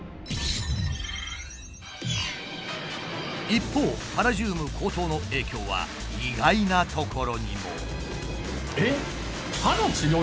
一方パラジウム高騰の影響は意外なところにも。